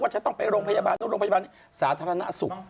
ว่าฉันต้องไปโรงพยาบาลโรงพยาบาลนี่สาธารณะสุข